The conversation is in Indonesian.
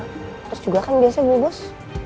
terus juga kan biasanya gue bos